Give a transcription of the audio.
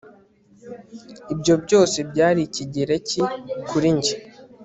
ibyo byose byari ikigereki kuri njye